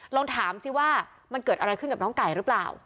ลองถามสิว่ามันเกิดอะไรขึ้นกับน้องไก่หรือเปล่า